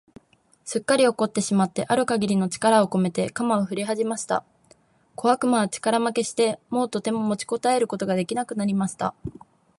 すっかり怒ってしまってある限りの力をこめて、鎌をふりはじました。小悪魔は力負けして、もうとても持ちこたえることが出来なくなりました。